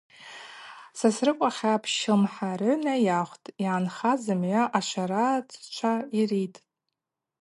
Сосрыкъва хьапщ лымхӏарыгӏвкӏ найахвтӏ, йгӏанхаз зымгӏва ашварацчва йриттӏ.